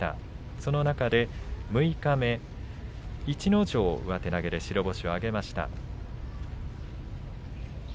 その中で六日目逸ノ城を上手投げで破って白星を挙げました。